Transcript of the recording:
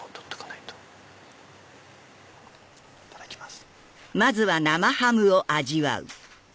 いただきます。